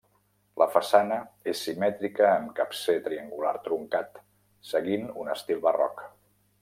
La façana és simètrica amb capcer triangular truncat, seguint un estil barroc.